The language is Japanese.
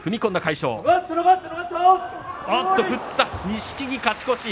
錦木、勝ち越し。